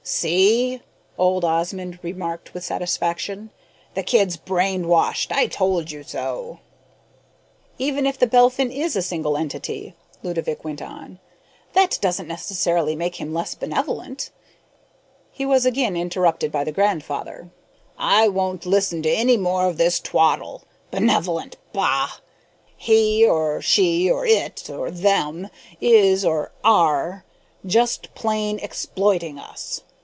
"See?" old Osmond remarked with satisfaction. "The kid's brain washed. I told you so." "Even if The Belphin is a single entity," Ludovick went on, "that doesn't necessarily make him less benevolent " He was again interrupted by the grandfather. "I won't listen to any more of this twaddle. Benevolent, bah! He or she or it or them is or are just plain exploiting us!